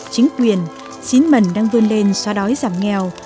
chính quyền xín mần đang vươn lên xóa đói giảm nghèo